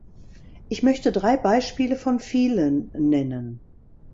Ich möchte drei Beispiele von vielen nennen.